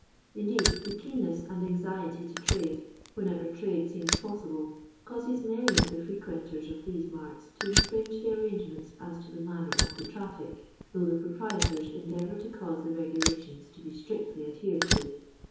Indeed, the keenness and anxiety to trade — whenever trade seems possibla — causes many of the frequenters of these marts to infringe the arrangements as to the manner of the traffic, though the proprietors endeavoar to canse the regulations to be strictly adhered to.